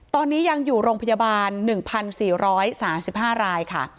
ตอนนี้ยังอยู่โรงพยาบาล๑๔๓๕รายค่ะ